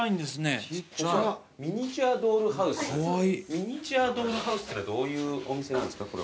ミニチュアドールハウスってのはどういうお店なんですか？